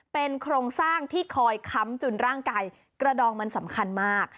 เป็นโครงสร้างที่คอยค้ำจนร่างกายกระดองมันสำคัญมาก